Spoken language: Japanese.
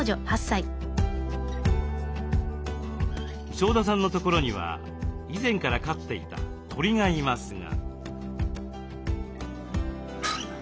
庄田さんのところには以前から飼っていた鳥がいますが。